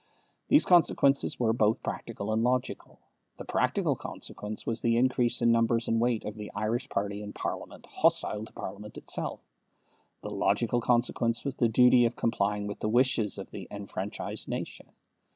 These consequences were both practical and logical. The practical consequence was the increase in numbers and weight of the Irish party in Parliament hostile to Parliament itself. The logical consequence was the duty of complying with the wishes of the enfranchised nation.